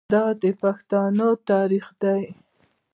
دا د پښتنو تاریخ دی.